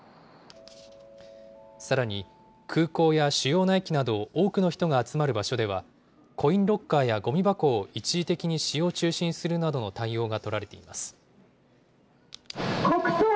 さらに、空港や主要な駅など、多くの人が集まる場所では、コインロッカーやごみ箱を一時的に使用中止にするなどの対応が取られています。